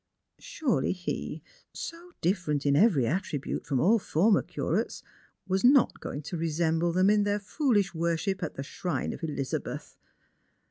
Surely he, so different in every attribute from all former curates, was not going to resemble them in their foolish worship at the shrine of Eliza beth.